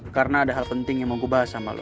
karena ada hal penting yang mau gue bahas sama lo